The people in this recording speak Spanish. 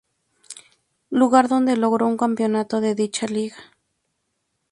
Lugar donde logró un campeonato de dicha liga.